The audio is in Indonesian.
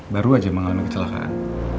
baru aja mengalami kecelakaan